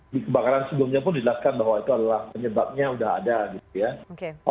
di kebakaran sebelumnya pun dijelaskan bahwa itu adalah penyebabnya sudah ada gitu ya